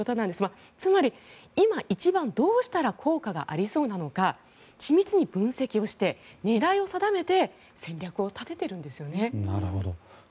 つまり今、どうしたら一番効果がありそうなのか緻密に分析をして狙いを定めて戦略を定めているんですね。